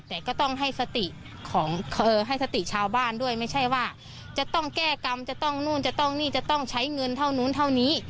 แต่ก็ต้องให้สติของให้สติชาวบ้านด้วยไม่ใช่ว่าจะต้องแก้กรรมจะต้องนู่นจะต้องนี่จะต้องใช้เงินเท่านู้นเท่านี้